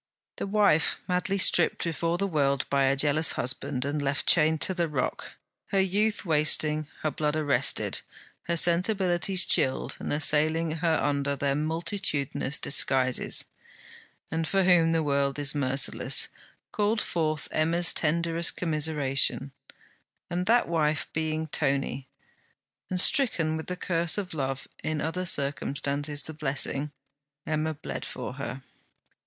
The wife madly stripped before the world by a jealous husband, and left chained to the rock, her youth wasting, her blood arrested, her sensibilities chilled and assailing her under their multitudinous disguises, and for whom the world is merciless, called forth Emma's tenderest commiseration; and that wife being Tony, and stricken with the curse of love, in other circumstances the blessing, Emma bled for her.